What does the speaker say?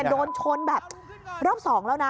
โดนชนแบบรอบ๒แล้วนะ